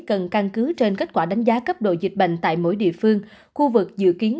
cần căn cứ trên kết quả đánh giá cấp độ dịch bệnh tại mỗi địa phương khu vực dự kiến